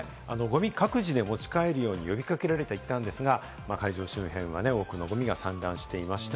ゴミは各自持ち帰るように呼び掛けられていたんですが、会場周辺は多くのゴミが散乱していました。